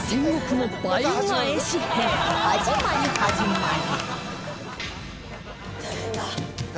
始まり始まり